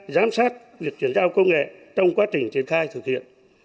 giám sát việc chuyển giao công nghệ trong quá trình triển khai thực hiện